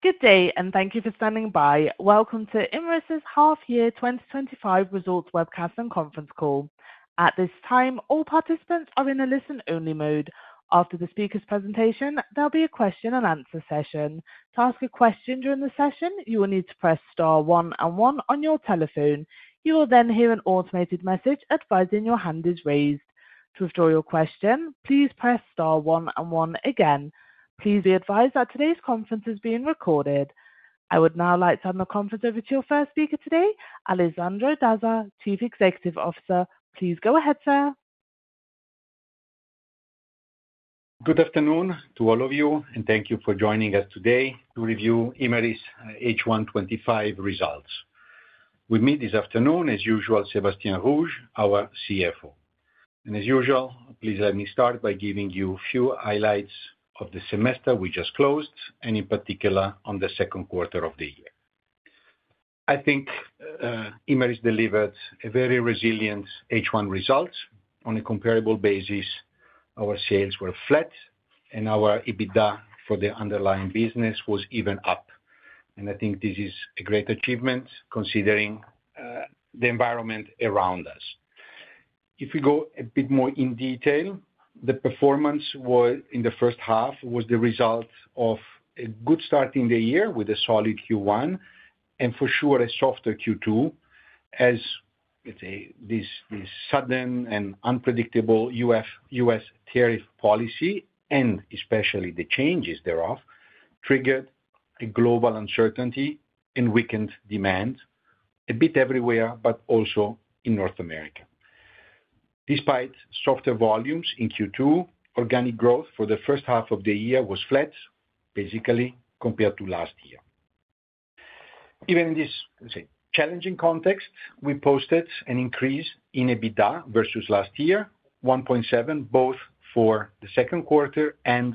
Good day and thank you for standing by. Welcome to Imerys' half-year 2025 results webcast and conference call. At this time, all participants are in a listen-only mode. After the speaker's presentation, there'll be a question and answer session. To ask a question during the session, you will need to press star one and one on your telephone. You will then hear an automated message advising your hand is raised. To withdraw your question, please press star one and one again. Please be advised that today's conference is being recorded. I would now like to hand the conference over to our first speaker today, Alessandro Dazza, Chief Executive Officer. Please go ahead, sir. Good afternoon to all of you, and thank you for joining us today to review Imerys H1 2025 results. With me this afternoon, as usual, Sébastien Rouge, our CFO. Please let me start by giving you a few highlights of the semester we just closed, and in particular on the second quarter of the year. I think Imerys delivered very resilient H1 results. On a comparable basis, our sales were flat, and our EBITDA for the underlying business was even up. I think this is a great achievement considering the environment around us. If we go a bit more in detail, the performance in the first half was the result of a good start in the year with a solid Q1, and for sure a softer Q2, as this sudden and unpredictable U.S. tariff policy, and especially the changes thereof, triggered a global uncertainty and weakened demand a bit everywhere, but also in North America. Despite softer volumes in Q2, Organic growth for the first half of the year was flat, basically compared to last year. Even in this challenging context, we posted an increase in EBITDA versus last year, 1.7, both for the second quarter and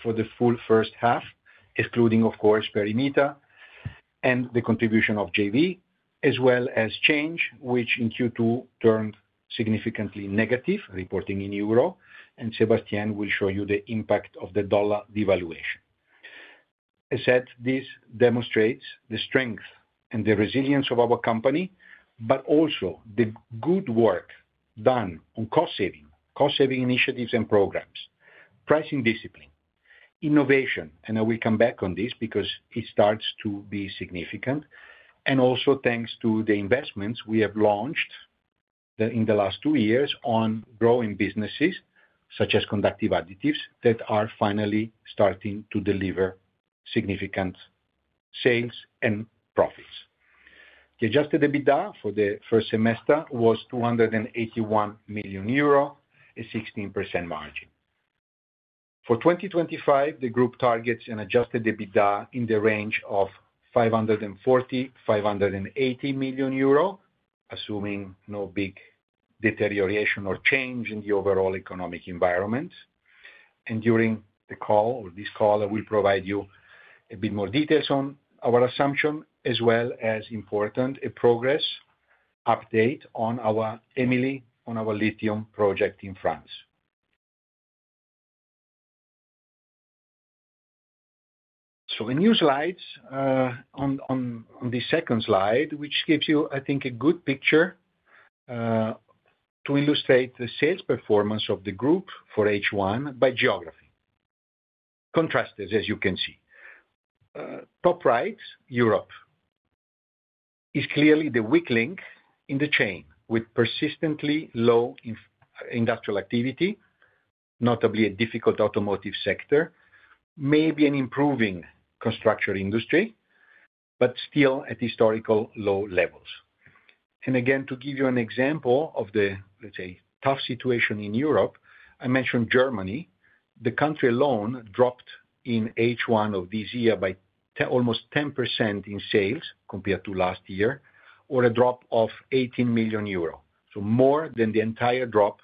for the full first half, excluding, of course, Perimeter and the contribution of Joint Venture, as well as change, which in Q2 turned significantly negative, reporting in euro. Sébastien will show you the impact of the dollar devaluation. As I said, this demonstrates the strength and the resilience of our company, but also the good work done on cost-saving initiatives and programs, pricing discipline, innovation. I will come back on this because it starts to be significant. Also thanks to the investments we have launched in the last two years on growing businesses, such as conductive additives, that are finally starting to deliver significant sales and profits. The Adjusted EBITDA for the first semester was 281 million euro, a 16% margin. For 2025, the group targets an Adjusted EBITDA in the range of 540 million-580 million euro, assuming no big deterioration or change in the overall economic environment. During this call, I will provide you a bit more details on our assumption, as well as important progress updates on our Emili lithium project in France. In new slides, on this second slide, which gives you, I think, a good picture to illustrate the sales performance of the group for H1 by geography. Contrast is, as you can see, top right, Europe is clearly the weak link in the chain with persistently low industrial activity, notably a difficult automotive sector, maybe an improving construction industry, but still at historical low levels. To give you an example of the, let's say, tough situation in Europe, I mentioned Germany. The country alone dropped in H1 of this year by almost 10% in sales compared to last year, or a drop of 18 million euro. More than the entire drop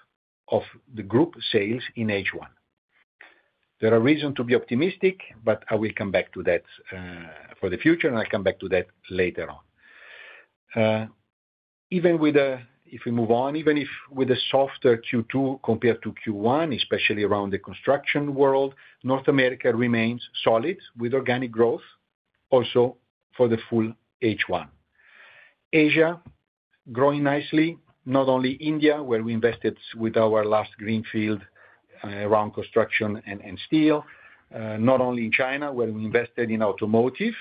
of the group sales in H1. There are reasons to be optimistic, but I will come back to that for the future, and I'll come back to that later on. Even if we move on, even if with a softer Q2 compared to Q1, especially around the construction world, North America remains solid with Organic growth also for the full H1. Asia is growing nicely, not only India, where we invested with our last greenfield around construction and steel, not only in China, where we invested in automotive,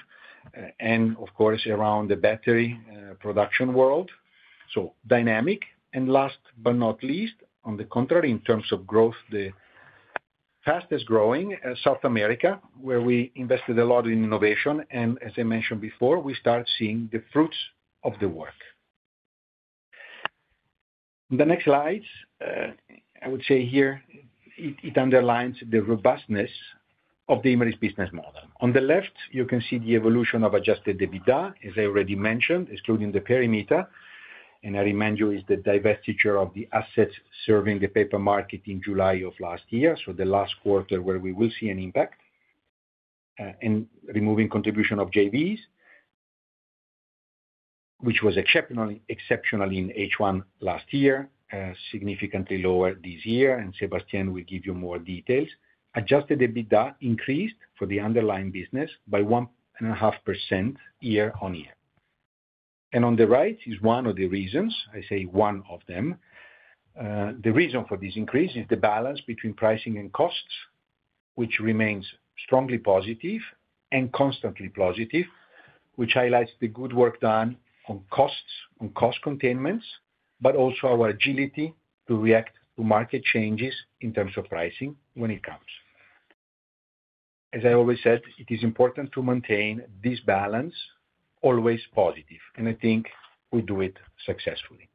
and of course, around the battery production world. Dynamic. Last but not least, on the contrary, in terms of growth, the fastest growing South America, where we invested a lot in innovation. As I mentioned before, we start seeing the fruits of the work. The next slides, I would say here, it underlines the robustness of the Imerys business model. On the left, you can see the evolution of Adjusted EBITDA, as I already mentioned, excluding the Perimeter. I remind you, it's the divestiture of the assets serving the paper market in July of last year, so the last quarter where we will see an impact, and removing contribution of JVs, which was exceptionally in H1 last year, significantly lower this year. Sébastien will give you more details. Adjusted EBITDA increased for the underlying business by 1.5% year on year. On the right is one of the reasons, I say one of them. The reason for this increase is the balance between pricing and costs, which remains strongly positive and constantly positive, which highlights the good work done on costs, on cost containments, but also our agility to react to market changes in terms of pricing when it comes. As I always said, it is important to maintain this balance always positive, and I think we do it successfully.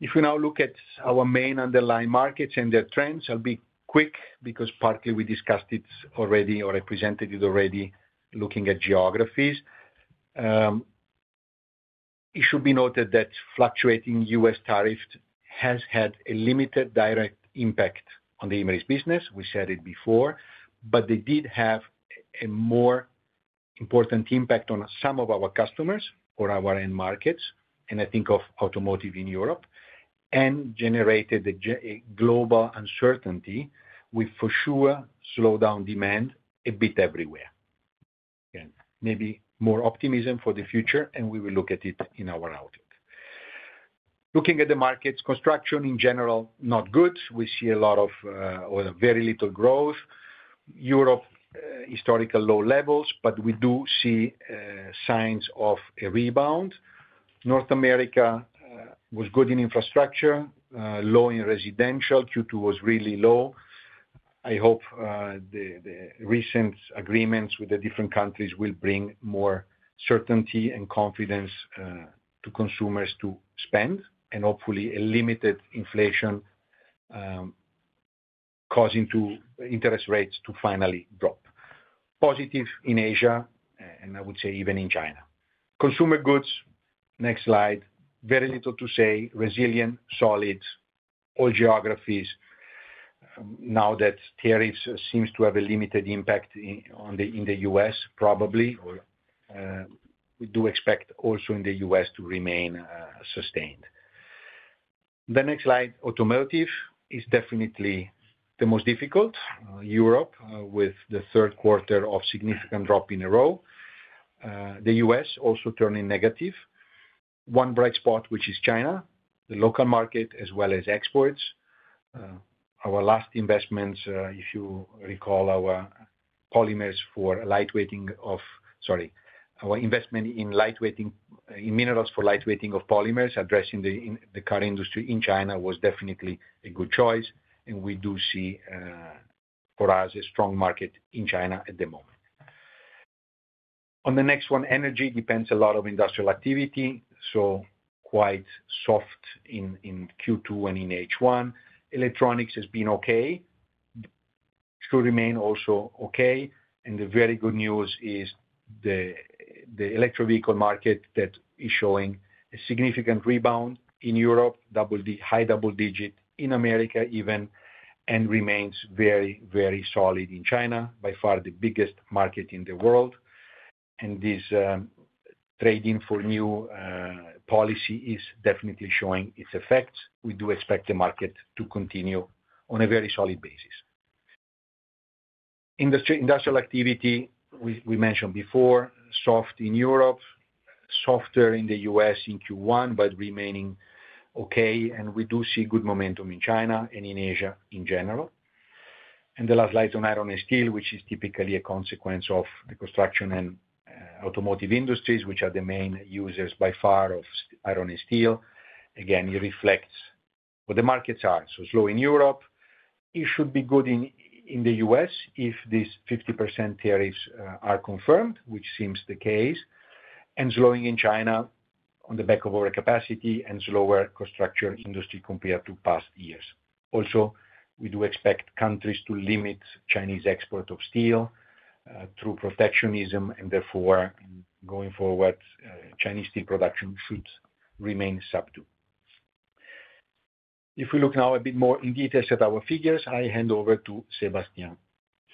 If we now look at our main underlying markets and their trends, I'll be quick because partly we discussed it already or I presented it already, looking at geographies. It should be noted that fluctuating U.S. tariffs have had a limited direct impact on the Imerys business. We said it before, but they did have a more important impact on some of our customers or our end markets, and I think of automotive in Europe, and generated a global uncertainty which for sure slowed down demand a bit everywhere. Again, maybe more optimism for the future, and we will look at it in our outlook. Looking at the markets, construction in general, not good. We see a lot of or very little growth. Europe at historical low levels, but we do see signs of a rebound. North America was good in infrastructure, low in residential. Q2 was really low. I hope the recent agreements with the different countries will bring more certainty and confidence to consumers to spend, and hopefully a limited inflation causing interest rates to finally drop. Positive in Asia, and I would say even in China. Consumer goods, next slide, very little to say. Resilient, solid, all geographies. Now that tariffs seem to have a limited impact in the U.S., probably we do expect also in the U.S. to remain sustained. The next slide, automotive, is definitely the most difficult. Europe with the third quarter of significant drop in a row. The U.S. also turning negative. One bright spot, which is China, the local market, as well as exports. Our last investments, if you recall, our polymers for lightweighting of, sorry, our investment in lightweighting in minerals for lightweighting of polymers addressing the car industry in China was definitely a good choice. We do see, for us, a strong market in China at the moment. On the next one, energy depends a lot on industrial activity, so quite soft in Q2 and in H1. Electronics has been okay, should remain also okay. The very good news is the electric vehicle market that is showing a significant rebound in Europe, high double-digit in America even, and remains very, very solid in China, by far the biggest market in the world. This trade-in for new policy is definitely showing its effects. We do expect the market to continue on a very solid basis. Industrial activity, we mentioned before, soft in Europe, softer in the U.S. in Q1, but remaining okay. We do see good momentum in China and in Asia in general. The last slide on iron and steel, which is typically a consequence of the construction and automotive industries, which are the main users by far of iron and steel. It reflects what the markets are. Slow in Europe, it should be good in the U.S. if these 50% tariffs are confirmed, which seems the case. Slowing in China on the back of overcapacity and slower construction industry compared to past years. Also, we do expect countries to limit Chinese export of steel through protectionism, and therefore, going forward, Chinese steel production should remain subdued. If we look now a bit more in detail at our figures, I hand over to Sébastien.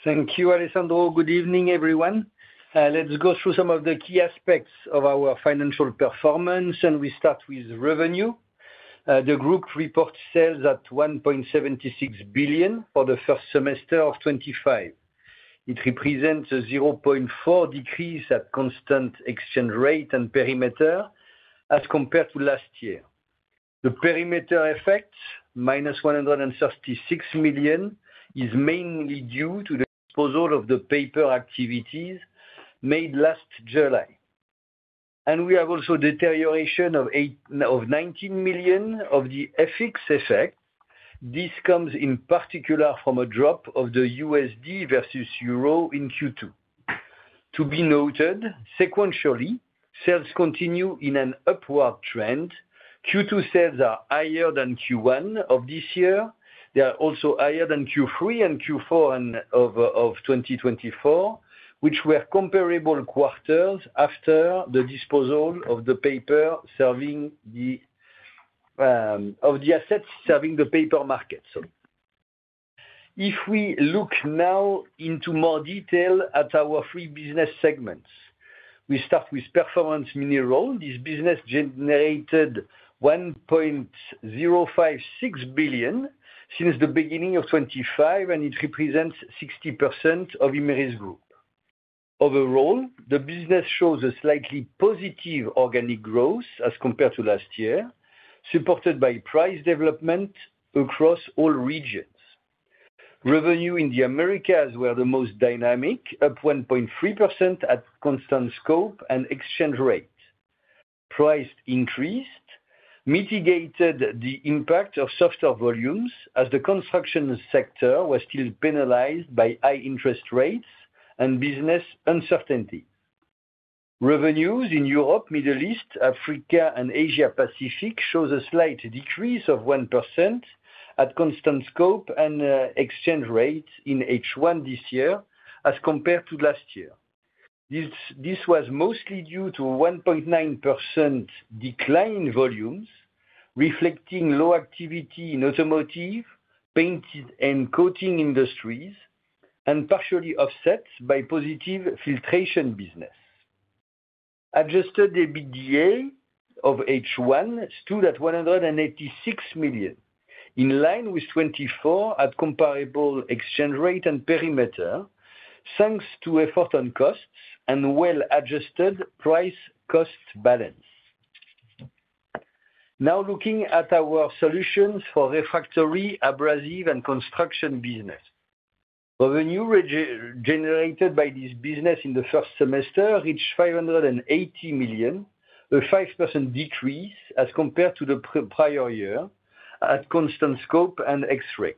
Thank you, Alessandro. Good evening, everyone. Let's go through some of the key aspects of our financial performance, and we start with revenue. The group reports sales at 1.76 billion for the first semester of 2025. It represents a 0.4% decrease at constant exchange rate and perimeter as compared to last year. The Perimeter effect, minus 136 million, is mainly due to the disposal of the paper activities made last July. We have also a deterioration of 19 million of the FX effect. This comes in particular from a drop of the USD versus euro in Q2. To be noted, sequentially, sales continue in an upward trend. Q2 sales are higher than Q1 of this year. They are also higher than Q3 and Q4 of 2024, which were comparable quarters after the disposal of the assets serving the paper market. If we look now into more detail at our three business segments, we start with Performance Minerals. This business generated 1.056 billion since the beginning of 2025, and it represents 60% of Imerys Group. Overall, the business shows a slightly positive Organic growth as compared to last year, supported by price development across all regions. Revenue in the Americas were the most dynamic, up 1.3% at constant scope and exchange rate. Price increase mitigated the impact of softer volumes as the construction sector was still penalized by high interest rates and business uncertainty. Revenues in Europe, Middle East, Africa, and Asia-Pacific show a slight decrease of 1% at constant scope and exchange rate in H1 this year as compared to last year. This was mostly due to a 1.9% decline in volumes, reflecting low activity in automotive, painting, and coating industries, and partially offset by positive filtration business. Adjusted EBITDA of H1 stood at 186 million, in line with 2024 at comparable exchange rate and perimeter, thanks to effort on costs and well-Adjusted price-cost balance. Now looking at our Solutions for Refractory, Abrasive & Construction business. Revenue generated by this business in the first semester reached 580 million, a 5% decrease as compared to the prior year at constant scope and exchange rate.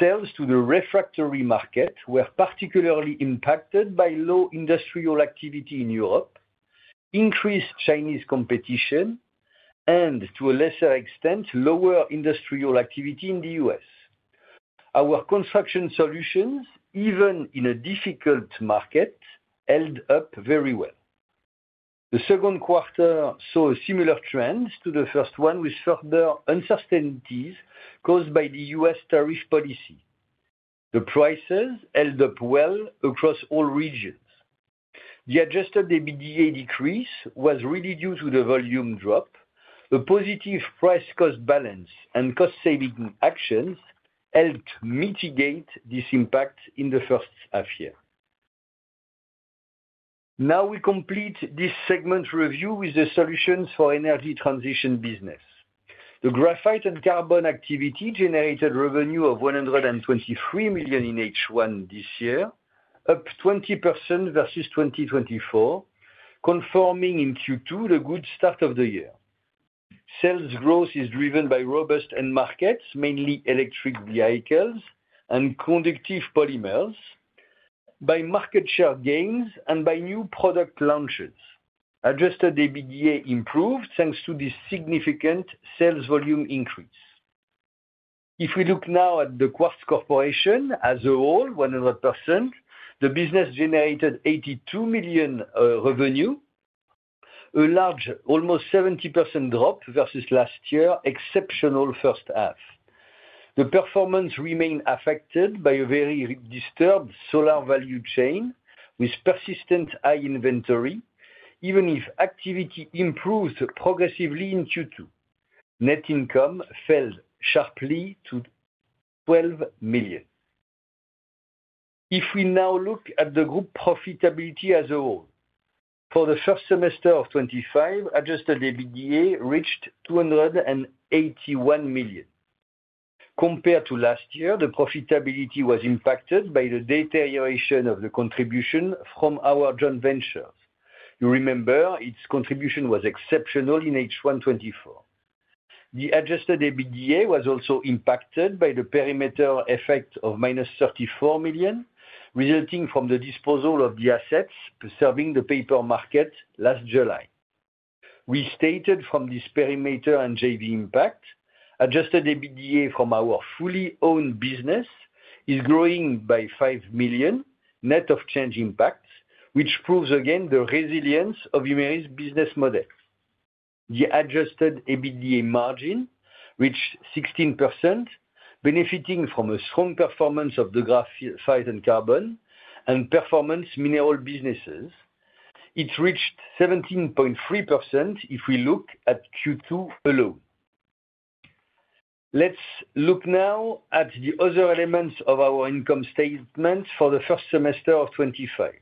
Sales to the refractory market were particularly impacted by low industrial activity in Europe, increased Chinese competition, and to a lesser extent, lower industrial activity in the U.S. Our construction solutions, even in a difficult market, held up very well. The second quarter saw a similar trend to the first one, with further uncertainties caused by the U.S. tariff policy. The prices held up well across all regions. The Adjusted EBITDA decrease was really due to the volume drop. A positive price-cost balance and cost-saving actions helped mitigate this impact in the first half year. Now we complete this segment review with the Solutions for Energy Transition business. The Graphite & Carbon activity generated revenue of 123 million in H1 this year, up 20% versus 2023, confirming in Q2 the good start of the year. Sales growth is driven by robust end markets, mainly electric vehicles and conductive polymers, by market share gains, and by new product launches. Adjusted EBITDA improved thanks to this significant sales volume increase. If we look now at The Quartz Corp as a whole, 100%, the business generated 82 million revenue, a large, almost 70% drop versus last year's exceptional first half. The performance remained affected by a very disturbed solar value chain with persistent high inventory, even if activity improved progressively in Q2. Net income fell sharply to 12 million. If we now look at the group profitability as a whole, for the first semester of 2024, Adjusted EBITDA reached 281 million. Compared to last year, the profitability was impacted by the deterioration of the contribution from our Joint Ventures. You remember its contribution was exceptional in H1 2023. The Adjusted EBITDA was also impacted by the Perimeter effect of minus 34 million, resulting from the disposal of the assets serving the paper market last July. Restated from this perimeter and JV impact, Adjusted EBITDA from our fully owned business is growing by 5 million, net of change impact, which proves again the resilience of Imerys' business model. The Adjusted EBITDA margin reached 16%, benefiting from a strong performance of the Graphite & Carbon and Performance Minerals businesses. It reached 17.3% if we look at Q2 alone. Let's look now at the other elements of our income statements for the first semester of 2024.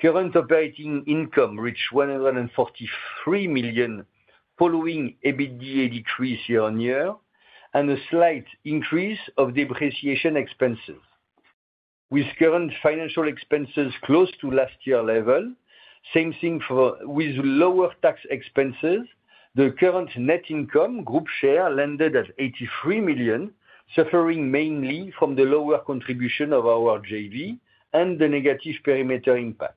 Current operating income reached 143 million following EBITDA decrease year on year, and a slight increase of depreciation expenses. With current financial expenses close to last year's level, same thing with lower tax expenses, the current net income group share landed at 83 million, suffering mainly from the lower contribution of our JV and the negative perimeter impact.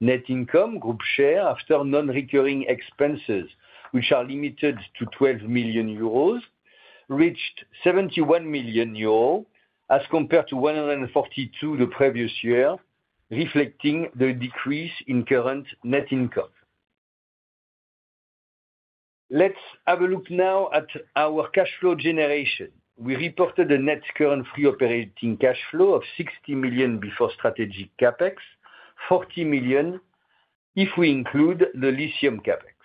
Net income group share after non-recurring expenses, which are limited to 12 million euros, reached 71 million euros as compared to 142 million the previous year, reflecting the decrease in current net income. Let's have a look now at our cash flow generation. We reported a net current free operating cash flow of 60 million before strategic CapEx, 40 million if we include the lithium CapEx.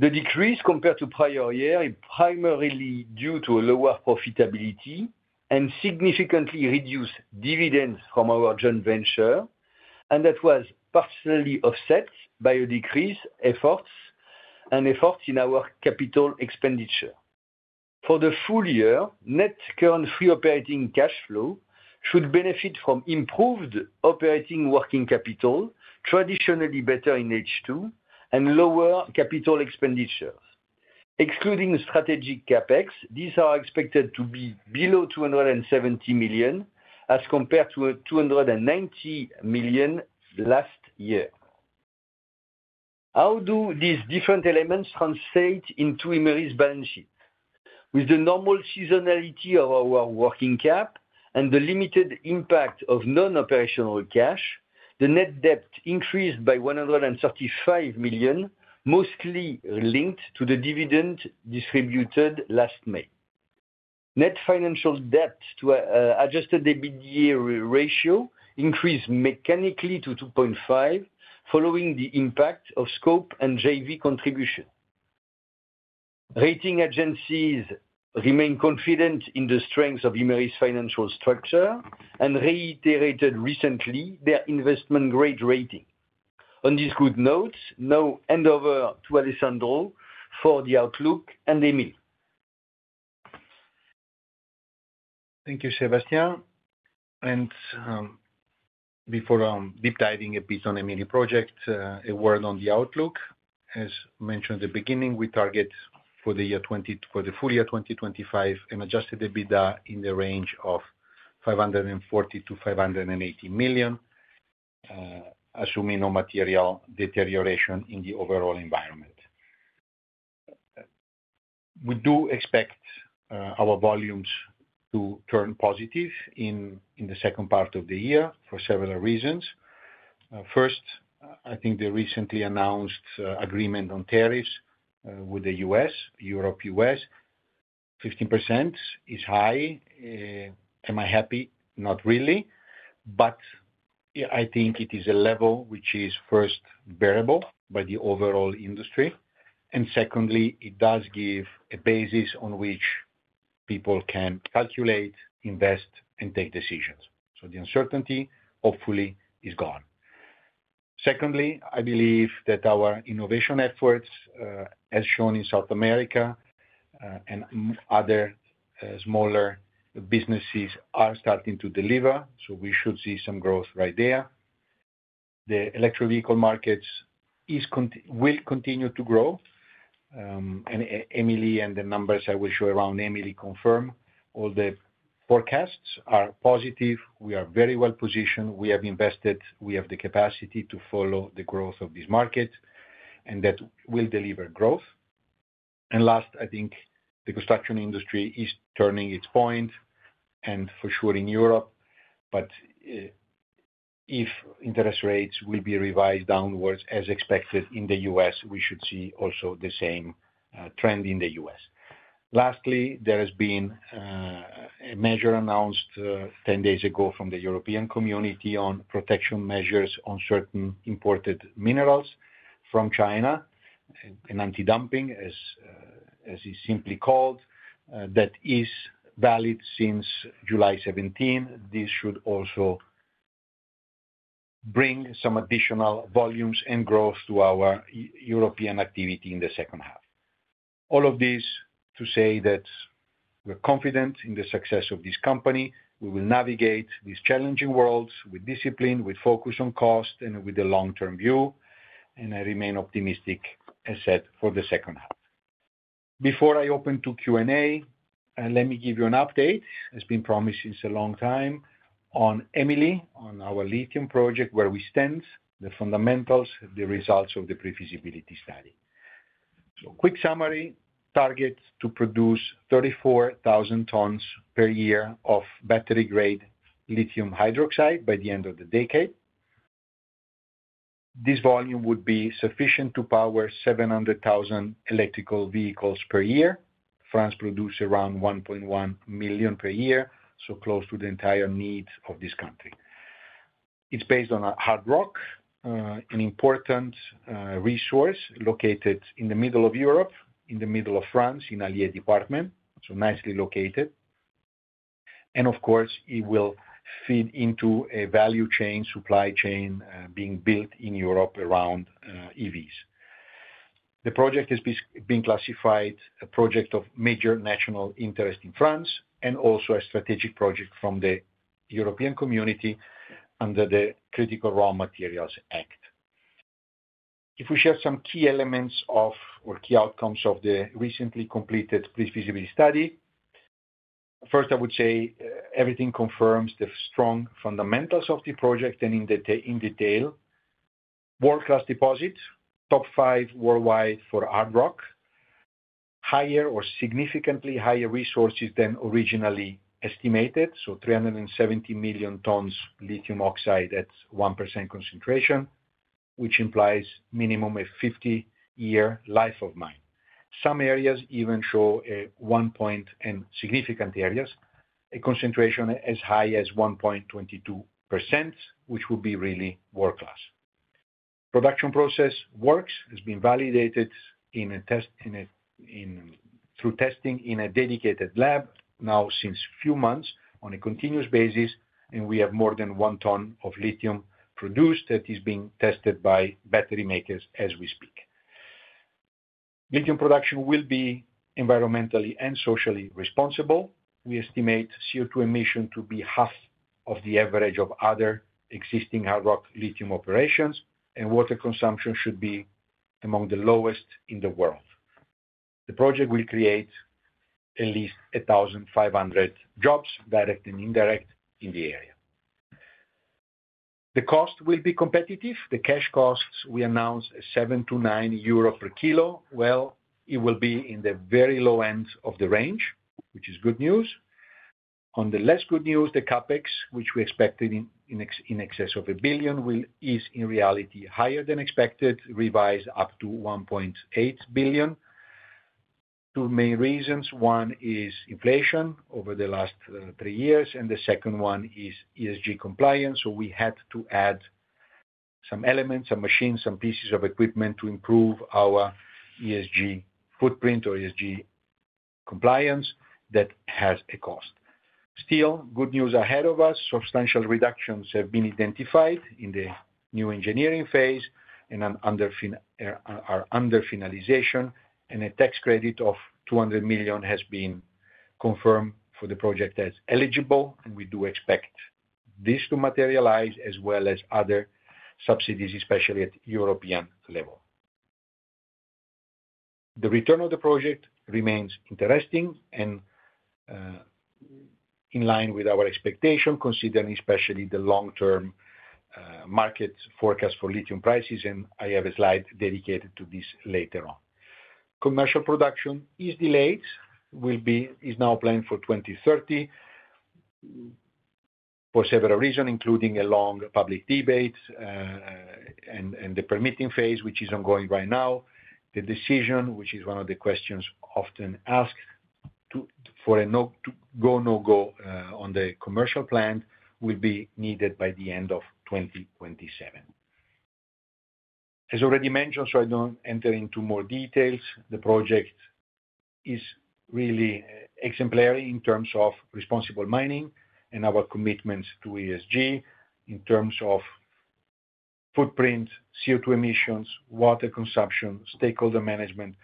The decrease compared to prior year is primarily due to a lower profitability and significantly reduced dividends from our Joint Venture, and that was partially offset by a decrease in efforts in our capital expenditure. For the full year, net current free operating cash flow should benefit from improved operating working capital, traditionally better in H2, and lower capital expenditures. Excluding strategic CapEx, these are expected to be below 270 million as compared to 290 million last year. How do these different elements translate into Imerys' balance sheet? With the normal seasonality of our working cap and the limited impact of non-operational cash, the net debt increased by 135 million, mostly linked to the dividend distributed last May. Net financial debt to Adjusted EBITDA ratio increased mechanically to 2.5 following the impact of scope and JV contribution. Rating agencies remain confident in the strength of Imerys' financial structure and reiterated recently their investment grade rating. On this good note, now hand over to Alessandro for the outlook and Emili. Thank you, Sébastien. Before deep diving a bit on Emili lithium project, a word on the outlook. As mentioned at the beginning, we target for the full year 2025 an Adjusted EBITDA in the range of 540-580 million, assuming no material deterioration in the overall environment. We do expect our volumes to turn positive in the second part of the year for several reasons. First, I think the recently announced agreement on tariffs with the U.S., Europe-U.S., 15% is high. Am I happy? Not really. I think it is a level which is first bearable by the overall industry. Secondly, it does give a basis on which people can calculate, invest, and take decisions. The uncertainty, hopefully, is gone. I believe that our innovation efforts, as shown in South America and other smaller businesses, are starting to deliver. We should see some growth right there. The electric vehicle market will continue to grow. Emili and the numbers I will show around Emili confirm all the forecasts are positive. We are very well positioned. We have invested. We have the capacity to follow the growth of this market, and that will deliver growth. I think the construction industry is turning its point, and for sure in Europe. If interest rates will be revised downwards as expected in the U.S., we should see also the same trend in the U.S. There has been a measure announced 10 days ago from the European Community on protection measures on certain imported minerals from China, an anti-dumping, as it's simply called, that is valid since July 2017. This should also bring some additional volumes and growth to our European activity in the second half. All of this to say that we're confident in the success of this company. We will navigate this challenging world with discipline, with focus on cost, and with a long-term view. I remain optimistic, as I said, for the second half. Before I open to Q&A, let me give you an update, as been promised since a long time, on Emili, on our lithium project, where we stand, the fundamentals, the results of the pre-feasibility study. Quick summary, target to produce 34,000 tons per year of battery-grade lithium hydroxide by the end of the decade. This volume would be sufficient to power 700,000 electric vehicles per year. France produces around 1.1 million per year, so close to the entire needs of this country. It's based on a hard rock, an important resource located in the middle of Europe, in the middle of France, in Alliér Département, so nicely located. Of course, it will feed into a value chain, supply chain being built in Europe around EVs. The project has been classified a project of major national interest in France and also a strategic project from the European Community under the Critical Raw Materials Act. If we share some key elements or key outcomes of the recently completed pre-feasibility study, first, I would say everything confirms the strong fundamentals of the project and in detail. World-class deposit, top five worldwide for hard rock, higher or significantly higher resources than originally estimated, so 370 million tons lithium oxide at 1% concentration, which implies minimum a 50-year life of mine. Some areas even show a 1% and significant areas, a concentration as high as 1.22%, which would be really world-class. Production process works, has been validated through testing in a dedicated lab now since a few months on a continuous basis, and we have more than one ton of lithium produced that is being tested by battery makers as we speak. Lithium production will be environmentally and socially responsible. We estimate CO2 emission to be half of the average of other existing hard rock lithium operations, and water consumption should be among the lowest in the world. The project will create at least 1,500 jobs, direct and indirect, in the area. The cost will be competitive. The cash costs we announced are 7-9 euro per kilo. It will be in the very low end of the range, which is good news. On the less good news, the CapEx, which we expected in excess of 1 billion, is in reality higher than expected, revised up to 1.8 billion. Two main reasons. One is inflation over the last three years, and the second one is ESG compliance. We had to add some elements, some machines, some pieces of equipment to improve our ESG footprint or ESG compliance that has a cost. Still, good news ahead of us. Substantial reductions have been identified in the new engineering phase and are under finalization, and a tax credit of 200 million has been confirmed for the project as eligible. We do expect this to materialize as well as other subsidies, especially at the European level. The return of the project remains interesting and in line with our expectation, considering especially the long-term market forecast for lithium prices. I have a slide dedicated to this later on. Commercial production is delayed, is now planned for 2030 for several reasons, including a long public debate and the permitting phase, which is ongoing right now. The decision, which is one of the questions often asked for a go/no-go on the commercial plan, will be needed by the end of 2027. As already mentioned, so I don't enter into more details, the project is really exemplary in terms of responsible mining and our commitments to ESG in terms of footprint, CO2 emissions, water consumption, stakeholder management.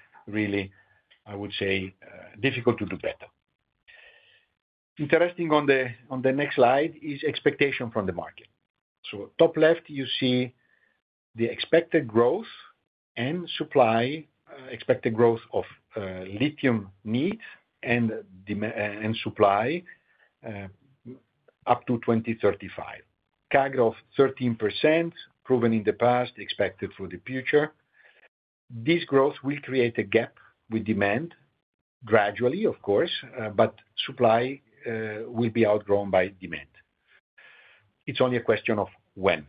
I would say, difficult to do better. Interesting on the next slide is expectation from the market. Top left, you see the expected growth and supply, expected growth of lithium needs and supply up to 2035. CAGR of 13%, proven in the past, expected for the future. This growth will create a gap with demand gradually, of course, but supply will be outgrown by demand. It's only a question of when.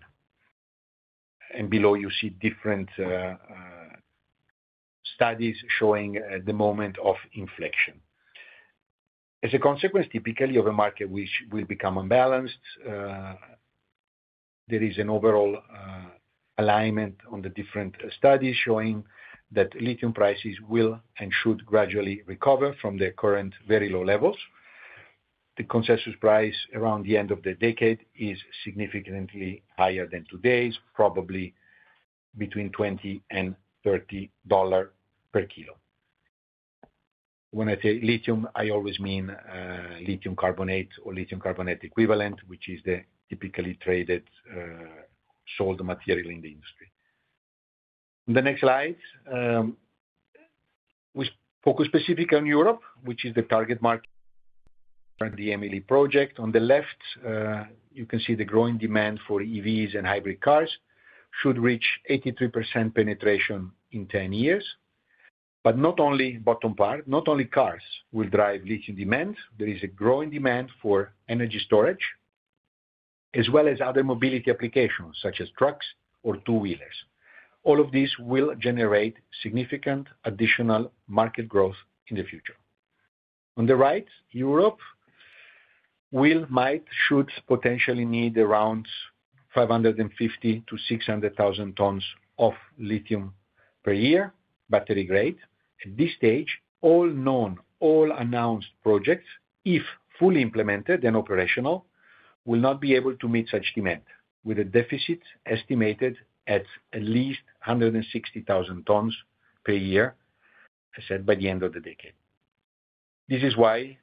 Below, you see different studies showing the moment of inflection. As a consequence, typically, of a market which will become unbalanced, there is an overall alignment on the different studies showing that lithium prices will and should gradually recover from their current very low levels. The consensus price around the end of the decade is significantly higher than today's, probably between $20 and $30 per kilo. When I say lithium, I always mean lithium carbonate or lithium carbonate equivalent, which is the typically traded sold material in the industry. The next slide, we focus specifically on Europe, which is the target market for the Emili lithium project. On the left, you can see the growing demand for EVs and hybrid cars should reach 83% penetration in 10 years. Not only bottom part, not only cars will drive lithium demand. There is a growing demand for energy storage, as well as other mobility applications such as trucks or two-wheelers. All of this will generate significant additional market growth in the future. On the right, Europe will, might, should potentially need around 550,000-600,000 tons of lithium per year, battery grade. At this stage, all known, all announced projects, if fully implemented and operational, will not be able to meet such demand, with a deficit estimated at at least 160,000 tons per year, as I said, by the end of the decade. This is why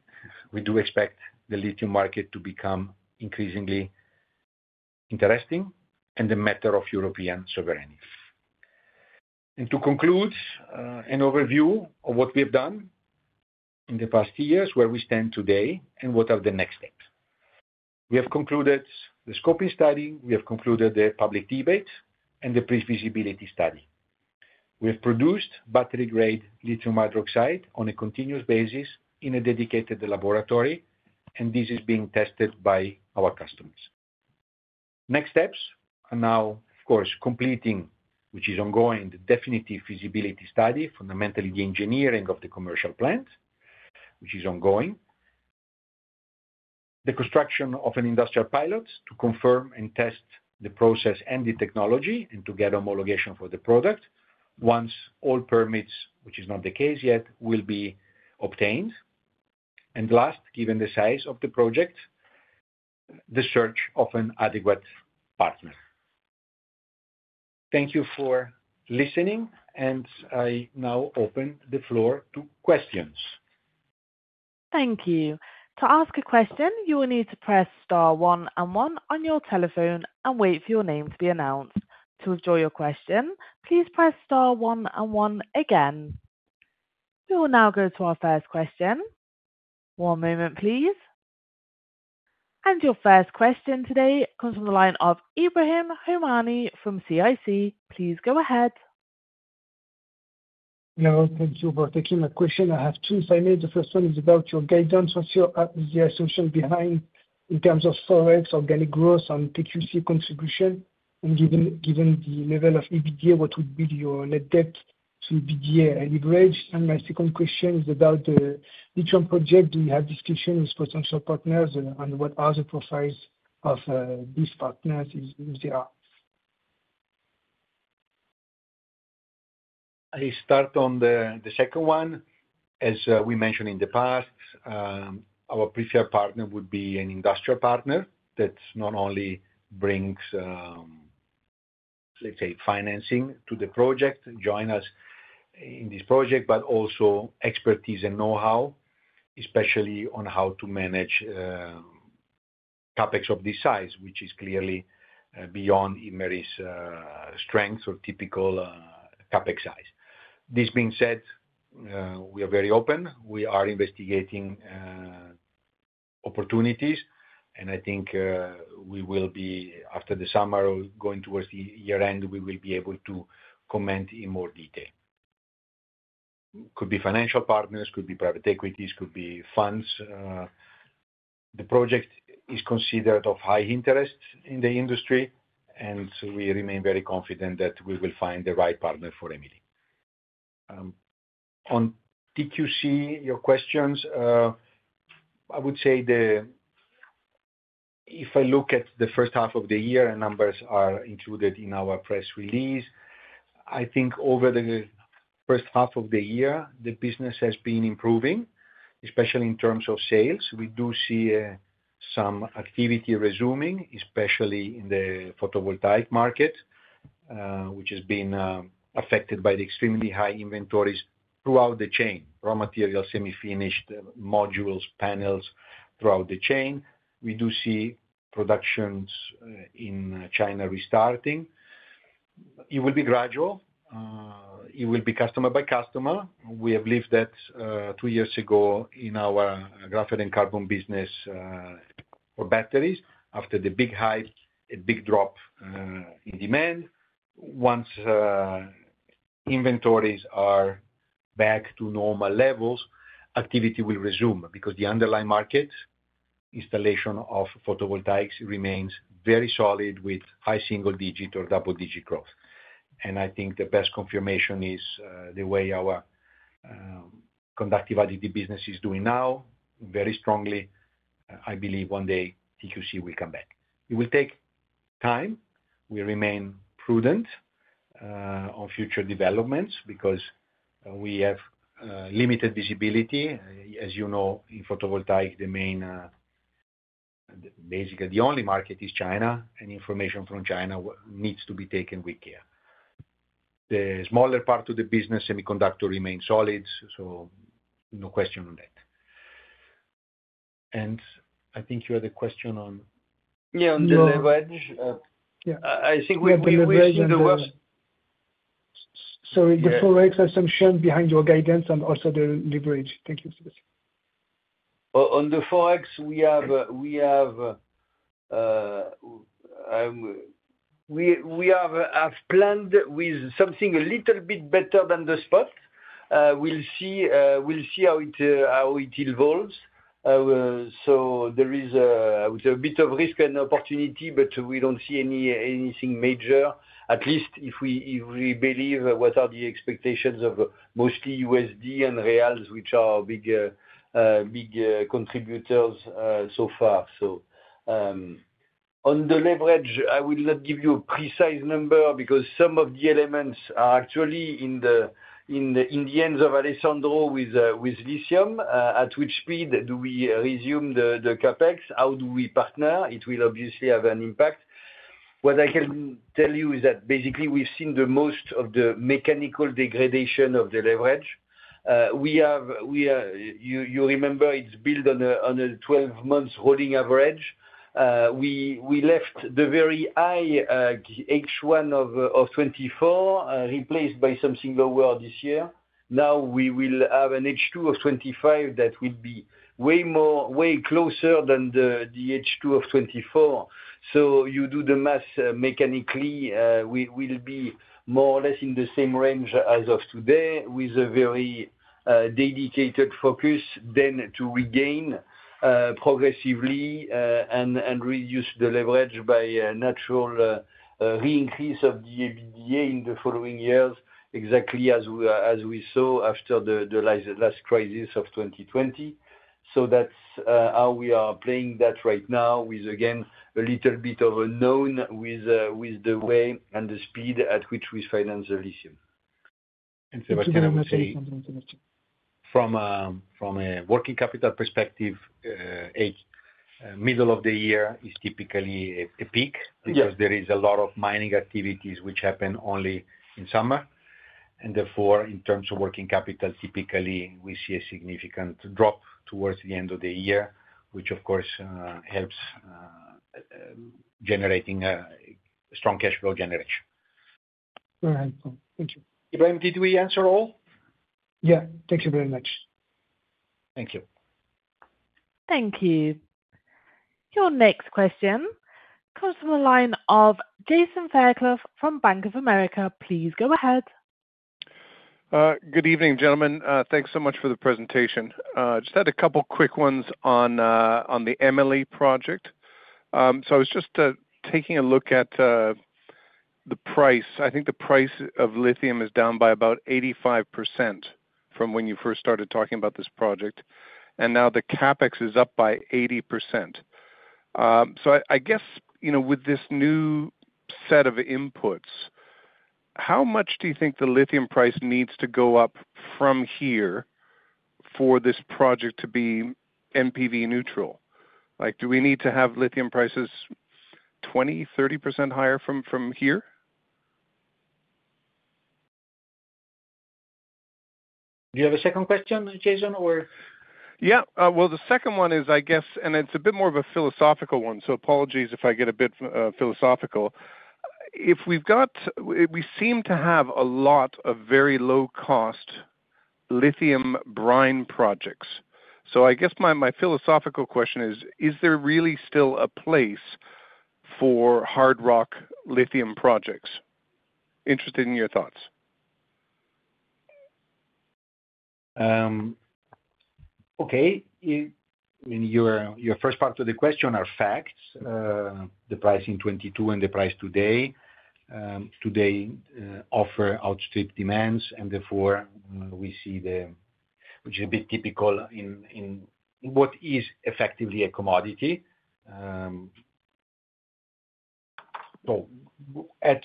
we do expect the lithium market to become increasingly interesting and a matter of European sovereignty. To conclude, an overview of what we have done in the past two years, where we stand today, and what are the next steps. We have concluded the scoping study. We have concluded the public debate and the pre-feasibility study. We have produced battery-grade lithium hydroxide on a continuous basis in a dedicated laboratory, and this is being tested by our customers. Next steps are now, of course, completing, which is ongoing, the definitive feasibility study, fundamentally the engineering of the commercial plant, which is ongoing. The construction of an industrial pilot to confirm and test the process and the technology and to get homologation for the product once all permits, which is not the case yet, will be obtained. Last, given the size of the project, the search of an adequate partner. Thank you for listening, and I now open the floor to questions. Thank you. To ask a question, you will need to press star one and one on your telephone and wait for your name to be announced. To withdraw your question, please press star one and one again. We will now go to our first question. One moment, please. Your first question today comes from the line of Ibrahim Homani from CIC Market Solutions. Please go ahead. Hello. Thank you for taking my question. I have two, if I may. The first one is about your guidance. What's your assumption behind in terms of forex, Organic growth, on TQC contribution? Given the level of EBITDA, what would be your net debt to EBITDA leverage? My second question is about the lithium project. Do you have discussions with potential partners? What are the profiles of these partners, if there are? I start on the second one. As we mentioned in the past, our preferred partner would be an industrial partner that not only brings, let's say, financing to the project, joins us in this project, but also expertise and know-how, especially on how to manage CapEx of this size, which is clearly beyond Imerys' strength or typical CapEx size. This being said, we are very open. We are investigating opportunities. I think we will be, after the summer or going towards the year-end, able to comment in more detail. It could be financial partners, could be private equities, could be funds. The project is considered of high interest in the industry, and we remain very confident that we will find the right partner for Emili. On TQC, your questions, I would say if I look at the first half of the year, and numbers are included in our press release, I think over the first half of the year, the business has been improving, especially in terms of sales. We do see some activity resuming, especially in the photovoltaic market, which has been affected by the extremely high inventories throughout the chain, raw materials, semi-finished modules, panels throughout the chain. We do see productions in China restarting. It will be gradual. It will be customer by customer. We have lived that two years ago in our Graphite & Carbon business for batteries after the big hype and big drop in demand. Once inventories are back to normal levels, activity will resume because the underlying market installation of photovoltaics remains very solid with high single-digit or double-digit growth. I think the best confirmation is the way our conductive additives business is doing now, very strongly. I believe one day TQC will come back. It will take time. We remain prudent on future developments because we have limited visibility. As you know, in photovoltaic, the main, basically the only market is China, and information from China needs to be taken with care. The smaller part of the business, semiconductor, remains solid, so no question on that. I think you had a question on. Yeah, on the leverage, I think we have leverage in the worst. Sorry, the forex assumption behind your guidance and also the leverage. Thank you, Sébastien. On the forex, we have planned with something a little bit better than the spot. We'll see how it evolves. There is a bit of risk and opportunity, but we don't see anything major, at least if we believe what are the expectations of mostly USD and reals, which are big contributors so far. On the leverage, I will not give you a precise number because some of the elements are actually in the hands of Alessandro with lithium. At which speed do we resume the CapEx? How do we partner? It will obviously have an impact. What I can tell you is that basically, we've seen most of the mechanical degradation of the leverage. You remember, it's built on a 12-month rolling average. We left the very high H1 of 2024, replaced by something lower this year. Now we will have an H2 of 2025 that will be way more, way closer than the H2 of 2024. You do the math mechanically. We will be more or less in the same range as of today with a very dedicated focus then to regain progressively and reduce the leverage by a natural re-increase of the EBITDA in the following years, exactly as we saw after the last crisis of 2020. That's how we are playing that right now with, again, a little bit of unknown with the way and the speed at which we finance the lithium. Sébastien, I would say, from a working capital perspective, the middle of the year is typically a peak because there is a lot of mining activities which happen only in summer. Therefore, in terms of working capital, typically, we see a significant drop towards the end of the year, which, of course, helps generating a strong cash flow generation. Very helpful. Thank you. Ibrahim, did we answer all? Thank you very much. Thank you. Thank you. Your next question comes from the line of Jason Fairclough from Bank of America. Please go ahead. Good evening, gentlemen. Thanks so much for the presentation. I just had a couple of quick ones on the Emili lithium project. I was just taking a look at the price. I think the price of lithium is down by about 85% from when you first started talking about this project, and now the CapEx is up by 80%. I guess, with this new set of inputs, how much do you think the lithium price needs to go up from here for this project to be NPV neutral? Like, do we need to have lithium prices 20% or 30% higher from here? Do you have a second question, Jason, or? Yeah. The second one is, I guess, and it's a bit more of a philosophical one, so apologies if I get a bit philosophical. If we've got, we seem to have a lot of very low-cost lithium brine projects. I guess my philosophical question is, is there really still a place for hard rock lithium projects? Interested in your thoughts. Okay. I mean, your first part of the question are facts. The price in 2022 and the price today offer outstripped demand, and therefore, we see the, which is a bit typical in what is effectively a commodity. At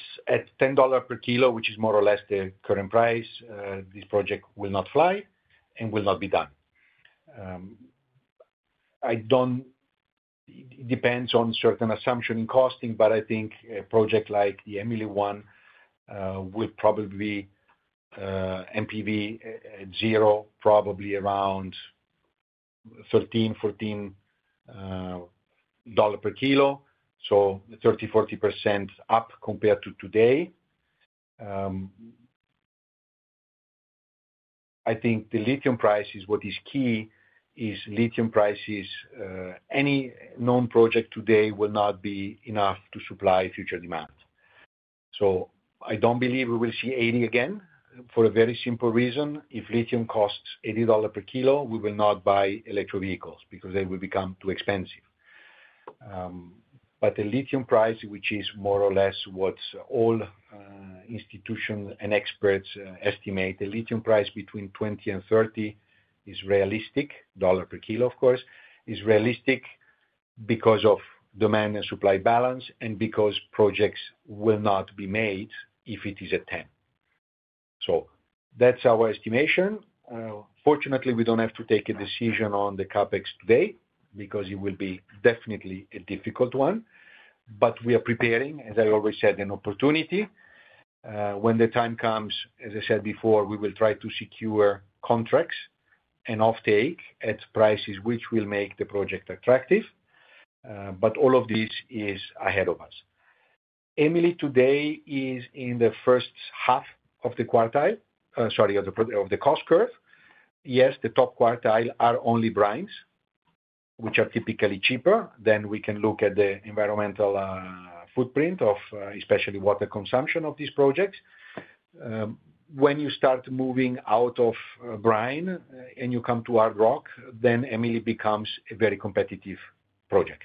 $10 per kilo, which is more or less the current price, this project will not fly and will not be done. It depends on certain assumptions in costing, but I think a project like the Emili one will probably be NPV at zero, probably around $13, $14 per kilo. So 30%, 40% up compared to today. I think the lithium price is what is key, is lithium prices. Any known project today will not be enough to supply future demand. I don't believe we will see $80 again for a very simple reason. If lithium costs $80 per kilo, we will not buy electric vehicles because they will become too expensive. The lithium price, which is more or less what all institutions and experts estimate, a lithium price between $20 and $30 is realistic. Dollar per kilo, of course, is realistic because of demand and supply balance and because projects will not be made if it is at $10. That's our estimation. Fortunately, we don't have to take a decision on the CapEx today because it will be definitely a difficult one. We are preparing, as I always said, an opportunity. When the time comes, as I said before, we will try to secure contracts and offtake at prices which will make the project attractive. All of this is ahead of us. Emili today is in the first half of the quartile, sorry, of the cost curve. Yes, the top quartile are only brines, which are typically cheaper. We can look at the environmental footprint of especially water consumption of these projects. When you start moving out of brine and you come to hard rock, then Emili becomes a very competitive project.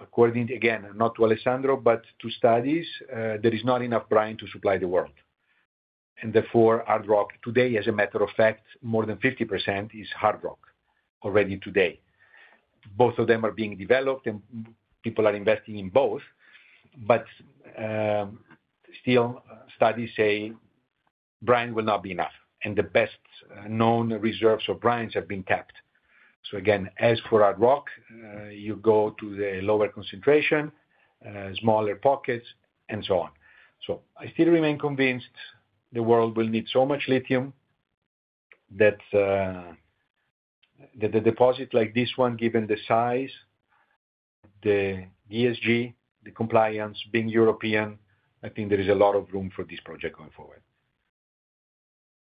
According, again, not to Alessandro, but to studies, there is not enough brine to supply the world. Therefore, hard rock today, as a matter of fact, more than 50% is hard rock already today. Both of them are being developed and people are investing in both. Still, studies say brine will not be enough. The best known reserves of brines have been capped. Again, as for hard rock, you go to the lower concentration, smaller pockets, and so on. I still remain convinced the world will need so much lithium that the deposit like this one, given the size, the ESG, the compliance, being European, I think there is a lot of room for this project going forward.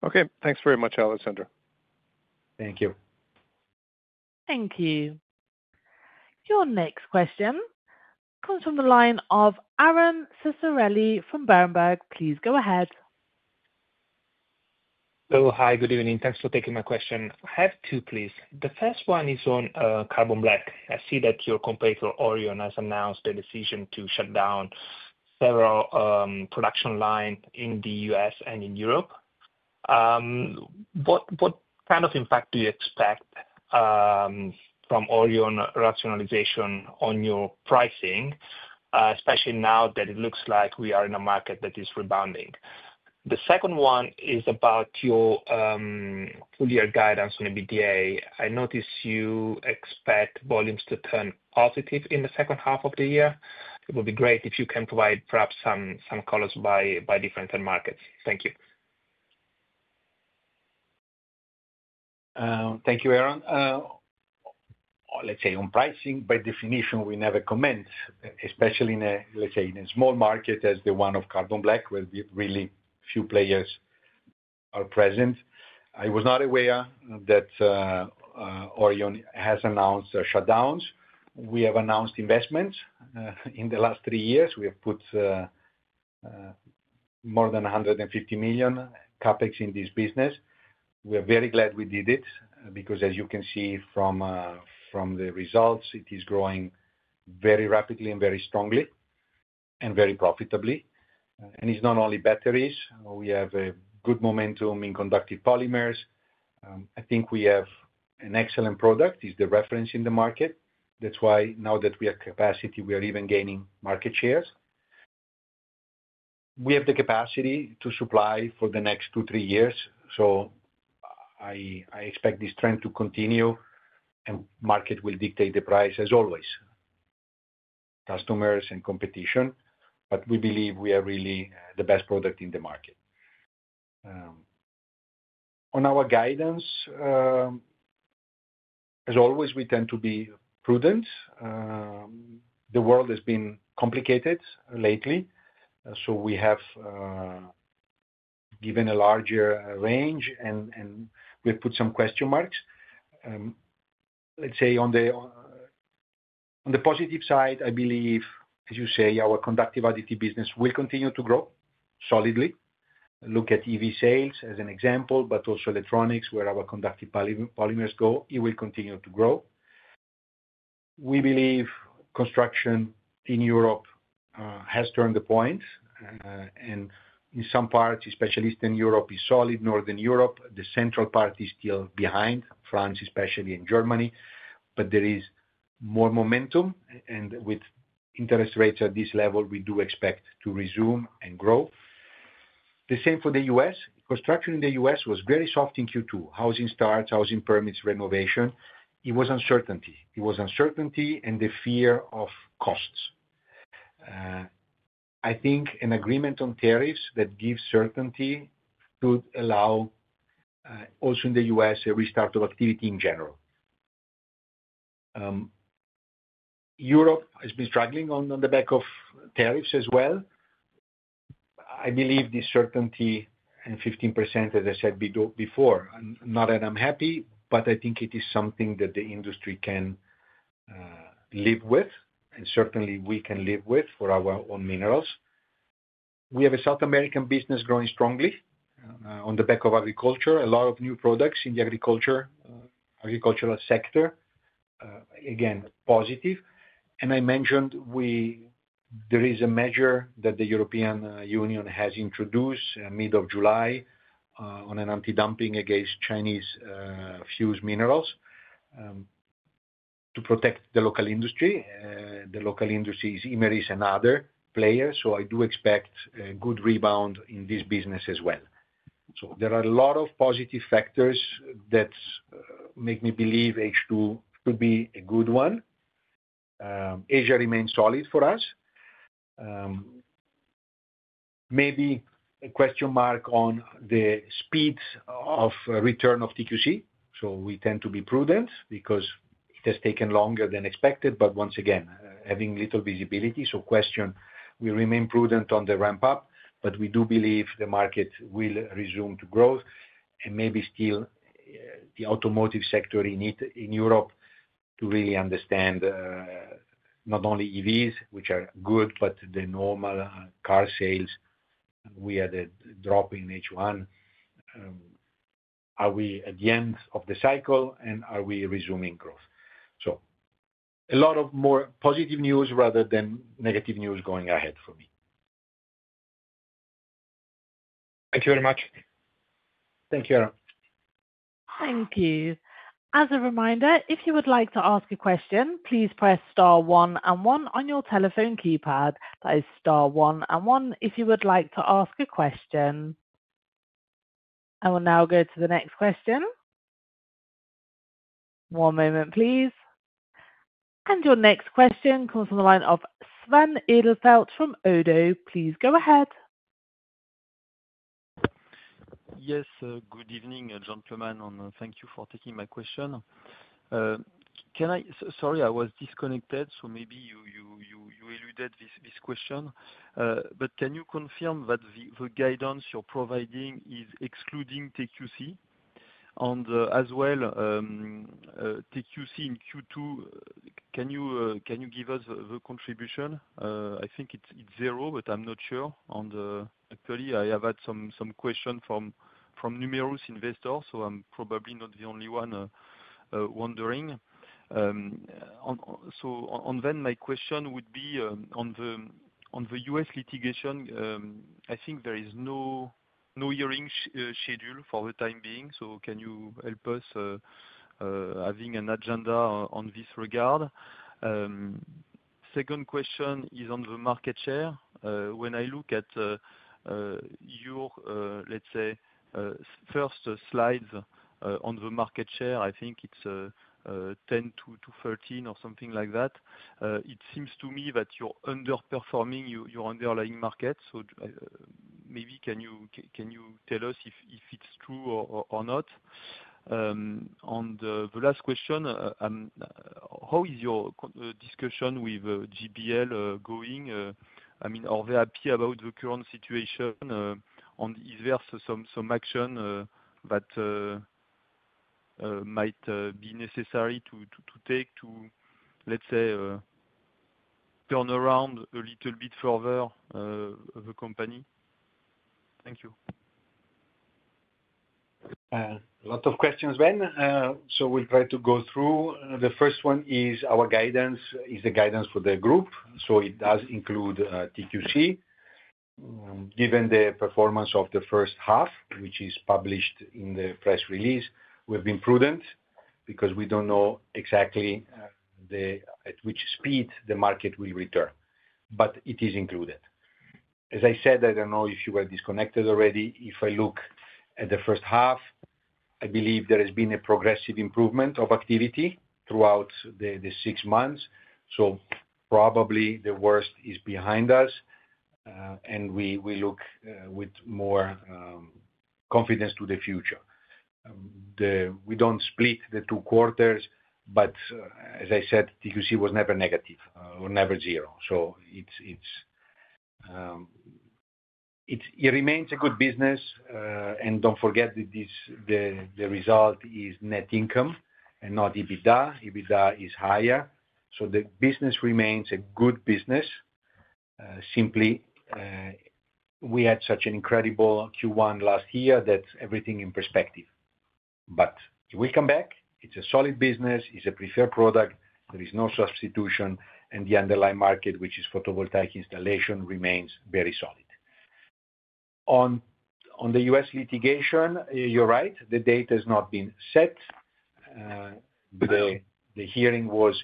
Okay, thanks very much, Alessandro. Thank you. Thank you. Your next question comes from the line of Aron Ceccarelli from Joh. Berenberg. Please go ahead. Hello. Hi. Good evening. Thanks for taking my question. I have two, please. The first one is on carbon black. I see that your competitor Orion has announced their decision to shut down several production lines in the U.S. and in Europe. What kind of impact do you expect from Orion rationalization on your pricing, especially now that it looks like we are in a market that is rebounding? The second one is about your full-year guidance on EBITDA. I noticed you expect volumes to turn positive in the second half of the year. It would be great if you can provide perhaps some colors by different markets. Thank you. Thank you, Aron. Let's say on pricing, by definition, we never comment, especially in a, let's say, in a small market as the one of carbon black where really few players are present. I was not aware that Orion has announced shutdowns. We have announced investments in the last three years. We have put more than $150 million CapEx in this business. We are very glad we did it because, as you can see from the results, it is growing very rapidly and very strongly and very profitably. It's not only batteries. We have a good momentum in conductive polymers. I think we have an excellent product. It's the reference in the market. That's why now that we have capacity, we are even gaining market shares. We have the capacity to supply for the next two, three years. I expect this trend to continue, and the market will dictate the price as always, customers and competition. We believe we are really the best product in the market. On our guidance, as always, we tend to be prudent. The world has been complicated lately, so we have given a larger range and we have put some question marks. On the positive side, I believe, as you say, our conductive additive business will continue to grow solidly. Look at EV sales as an example, but also electronics where our conductive polymers go. It will continue to grow. We believe construction in Europe has turned the points. In some parts, especially Eastern Europe, it is solid. Northern Europe, the central part is still behind, France, especially, and Germany. There is more momentum. With interest rates at this level, we do expect to resume and grow. The same for the U.S. Construction in the U.S. was very soft in Q2. Housing starts, housing permits, renovation. It was uncertainty. It was uncertainty and the fear of costs. I think an agreement on tariffs that gives certainty could allow also in the U.S. a restart of activity in general. Europe has been struggling on the back of tariffs as well. I believe this certainty and 15%, as I said before, not that I'm happy, but I think it is something that the industry can live with, and certainly we can live with for our own minerals. We have a South American business growing strongly on the back of agriculture. A lot of new products in the agricultural sector. Again, positive. I mentioned there is a measure that the European Union has introduced mid-July on an anti-dumping against Chinese fused minerals to protect the local industry. The local industry is Imerys and other players. I do expect a good rebound in this business as well. There are a lot of positive factors that make me believe H2 could be a good one. Asia remains solid for us. Maybe a question mark on the speeds of return of TQC. We tend to be prudent because it has taken longer than expected. Once again, having little visibility. We remain prudent on the ramp-up, but we do believe the market will resume to growth. Maybe still the automotive sector in Europe to really understand not only EVs, which are good, but the normal car sales. We had a drop in H1. Are we at the end of the cycle and are we resuming growth? A lot of more positive news rather than negative news going ahead for me. Thank you very much. Thank you, Aron. Thank you. As a reminder, if you would like to ask a question, please press star one and one on your telephone keypad. That is star one and one if you would like to ask a question. I will now go to the next question. One moment, please. Your next question comes from the line of Sven Edelfelt from ODDO. Please go ahead. Yes. Good evening, gentlemen. Thank you for taking my question. Can I? Sorry, I was disconnected. Maybe you alluded to this question. Can you confirm that the guidance you're providing is excluding TQC? As well, TQC in Q2, can you give us the contribution? I think it's zero, but I'm not sure. I have had some questions from numerous investors, so I'm probably not the only one wondering. My question would be on the U.S. litigation. I think there is no hearing scheduled for the time being. Can you help us having an agenda in this regard? Second question is on the market share. When I look at your, let's say, first slides on the market share, I think it's 10 to 13 or something like that. It seems to me that you're underperforming your underlying market. Can you tell us if it's true or not? The last question, how is your discussion with GBL going? I mean, are they happy about the current situation? Is there some action that might be necessary to take to, let's say, turn around a little bit further the company? Thank you. A lot of questions went. We'll try to go through. The first one is our guidance is the guidance for the group. It does include TQC. Given the performance of the first half, which is published in the press release, we've been prudent because we don't know exactly at which speed the market will return. It is included. As I said, I don't know if you were disconnected already. If I look at the first half, I believe there has been a progressive improvement of activity throughout the six months. Probably the worst is behind us, and we look with more confidence to the future. We don't split the two quarters, but as I said, TQC was never negative or never zero. It remains a good business. Don't forget that the result is net income and not EBITDA. EBITDA is higher. The business remains a good business. Simply, we had such an incredible Q1 last year that everything in perspective. It will come back. It's a solid business. It's a preferred product. There is no substitution. The underlying market, which is photovoltaic installation, remains very solid. On the U.S. litigation, you're right. The date has not been set. The hearing was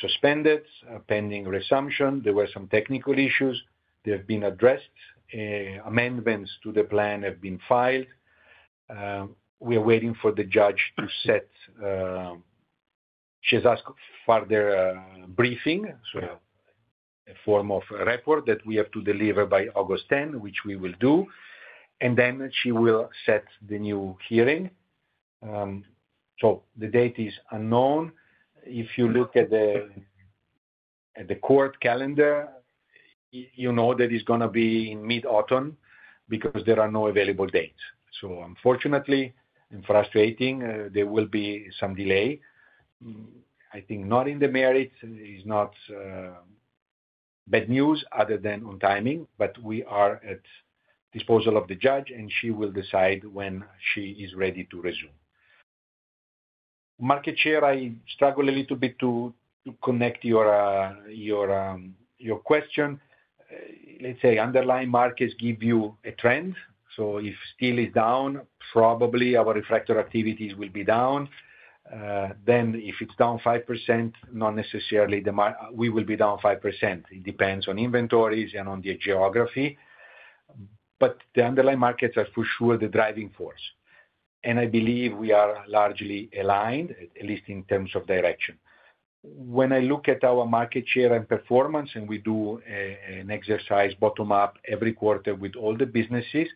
suspended pending resumption. There were some technical issues. They have been addressed. Amendments to the plan have been filed. We are waiting for the judge to set. She has asked for their briefing, so a form of a report that we have to deliver by August 10, which we will do. Then she will set the new hearing. The date is unknown. If you look at the court calendar, you know that it's going to be in mid-autumn because there are no available dates. Unfortunately and frustrating, there will be some delay. I think not in the merits. It's not bad news other than on timing. We are at the disposal of the judge, and she will decide when she is ready to resume. Market share, I struggle a little bit to connect your question. Let's say underlying markets give you a trend. If steel is down, probably our refractory activities will be down. If it's down 5%, not necessarily the market, we will be down 5%. It depends on inventories and on the geography. The underlying markets are for sure the driving force. I believe we are largely aligned, at least in terms of direction. When I look at our market share and performance, and we do an exercise bottom-up every quarter with all the businesses.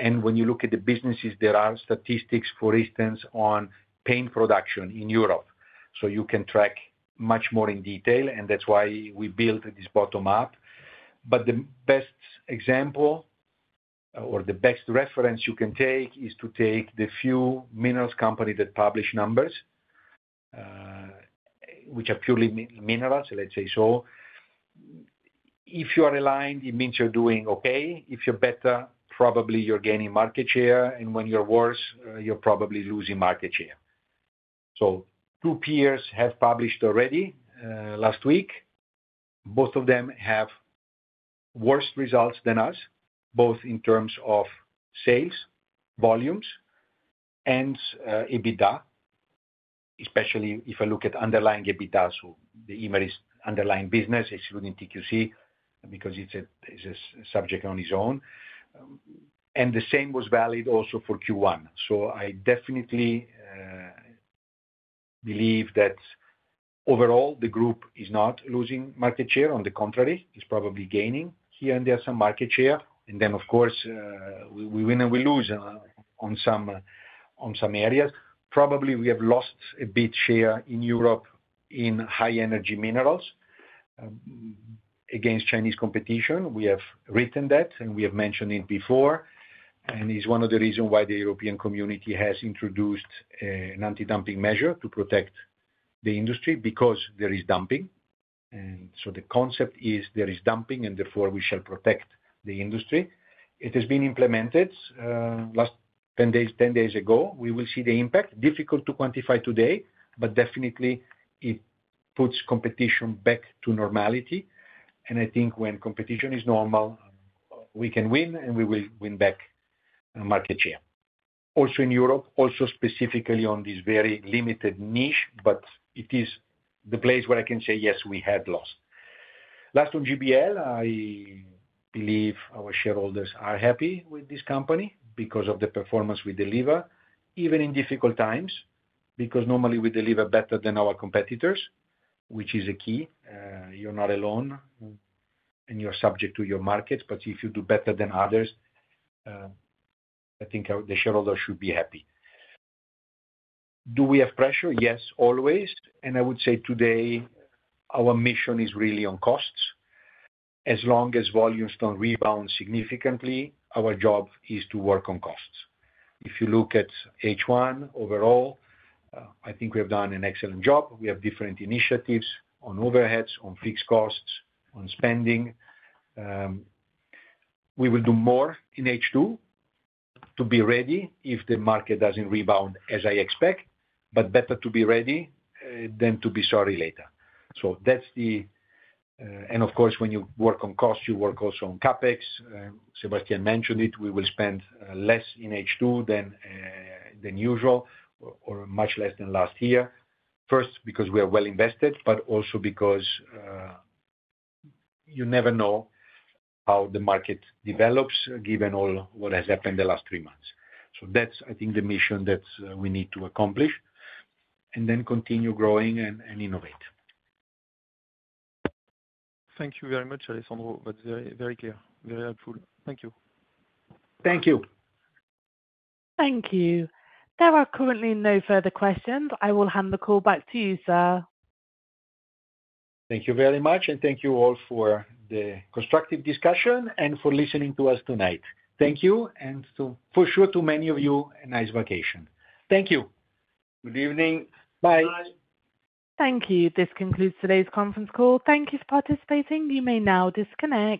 When you look at the businesses, there are statistics, for instance, on paint production in Europe. You can track much more in detail. That's why we built this bottom-up. The best example or the best reference you can take is to take the few minerals companies that publish numbers, which are purely minerals, let's say. If you are aligned, it means you're doing okay. If you're better, probably you're gaining market share. When you're worse, you're probably losing market share. Two peers have published already last week. Both of them have worse results than us, both in terms of sales, volumes, and EBITDA, especially if I look at underlying EBITDA. The Imerys underlying business, excluding TQC, because it's a subject on its own. The same was valid also for Q1. I definitely believe that overall, the group is not losing market share. On the contrary, it's probably gaining here and there some market share. Of course, we win and we lose on some areas. Probably we have lost a bit share in Europe in high-energy minerals against Chinese competition. We have written that, and we have mentioned it before. It is one of the reasons why the European Community has introduced an anti-dumping measure to protect the industry because there is dumping. The concept is there is dumping, and therefore, we shall protect the industry. It has been implemented 10 days ago. We will see the impact. Difficult to quantify today, but definitely, it puts competition back to normality. I think when competition is normal, we can win, and we will win back market share. Also in Europe, also specifically on this very limited niche, but it is the place where I can say, yes, we had lost. Last on GBL, I believe our shareholders are happy with this company because of the performance we deliver, even in difficult times, because normally we deliver better than our competitors, which is a key. You're not alone, and you're subject to your markets. If you do better than others, I think the shareholders should be happy. Do we have pressure? Yes, always. I would say today, our mission is really on costs. As long as volumes don't rebound significantly, our job is to work on costs. If you look at H1 overall, I think we have done an excellent job. We have different initiatives on overheads, on fixed costs, on spending. We will do more in H2 to be ready if the market doesn't rebound as I expect, but better to be ready than to be sorry later. Of course, when you work on costs, you work also on CapEx. Sébastien mentioned it. We will spend less in H2 than usual, or much less than last year. First, because we are well invested, but also because you never know how the market develops, given all what has happened in the last three months. I think the mission that we need to accomplish is to continue growing and innovate. Thank you very much, Alessandro. That's very, very clear, very helpful. Thank you. Thank you. Thank you. There are currently no further questions. I will hand the call back to you, sir. Thank you very much, and thank you all for the constructive discussion and for listening to us tonight. Thank you, and for sure, to many of you, a nice vacation. Thank you. Good evening. Bye. Bye. Thank you. This concludes today's conference call. Thank you for participating. You may now disconnect.